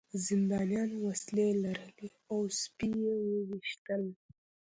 زندانیانو وسلې لرلې او سپي یې وویشتل